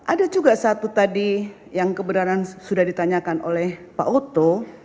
ada juga satu tadi yang kebenaran sudah ditanyakan oleh pak oto